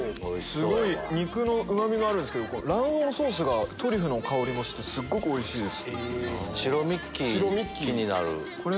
すごい肉のうまみもあるんですけど卵黄ソースがトリュフの香りしてすっごくおいしいです。